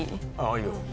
いいよ。